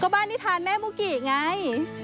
ว่านิทานแม่มุกิตไง